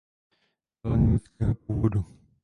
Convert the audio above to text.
Byl německého původu.